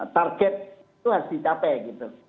target itu harus dicapai gitu